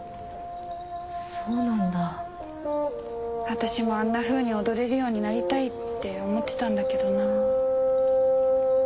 私もあんなふうに踊れるようになりたいって思ってたんだけどな。